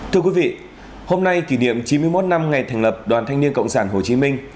thưa quý vị hôm nay kỷ niệm chín mươi một năm ngày thành lập đoàn thanh niên cộng sản hồ chí minh